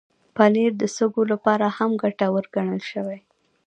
پنېر د سږو لپاره هم ګټور ګڼل شوی.